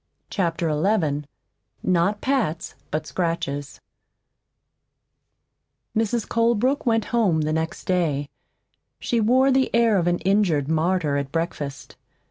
CHAPTER XI NOT PATS BUT SCRATCHES Mrs. Colebrook went home the next day. She wore the air of an injured martyr at breakfast.